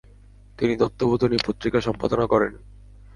তিনি তত্ত্ববোধিনী পত্রিকা সম্পাদনা করেন।